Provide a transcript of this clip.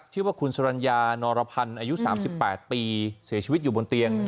ชื่อว่าคุณสรรญานอรพันธ์อายุ๓๘ปีเสียชีวิตอยู่บนเตียง